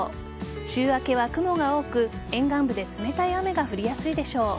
週明けは雲が多く沿岸部で冷たい雨が降りやすいでしょう。